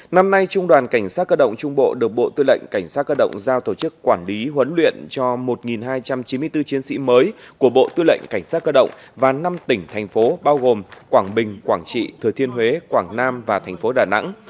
năm nay trung đoàn cảnh sát cơ động trung bộ được bộ tư lệnh cảnh sát cơ động giao tổ chức quản lý huấn luyện cho một hai trăm chín mươi bốn chiến sĩ mới của bộ tư lệnh cảnh sát cơ động và năm tỉnh thành phố bao gồm quảng bình quảng trị thừa thiên huế quảng nam và thành phố đà nẵng